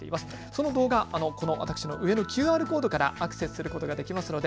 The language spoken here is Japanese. その動画、私の上のＱＲコードからアクセスすることができます。